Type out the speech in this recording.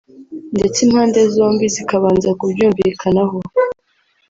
ndetse impande zombi zikabanza kubyumvikanaho